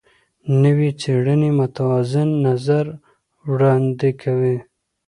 نوې څېړنې متوازن نظر وړاندې کوي.